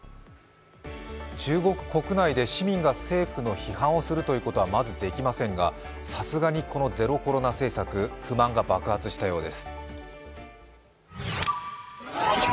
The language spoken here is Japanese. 中国国内で市民が政府の批判をするということはまずできませんがさすがにこのゼロコロナ政策、不満が爆発したようです。